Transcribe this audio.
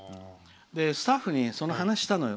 スタッフに話をしたのよ。